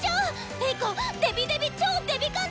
エイコデビデビ超デビ感動！